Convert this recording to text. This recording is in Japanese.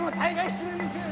何なんです？